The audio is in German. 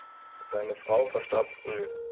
Seine Frau verstarb früh.